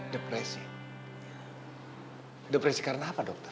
depresi depresi karena apa dokter